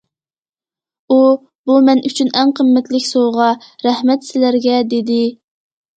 ئۇ: بۇ مەن ئۈچۈن ئەڭ قىممەتلىك سوۋغا، رەھمەت سىلەرگە، دېدى.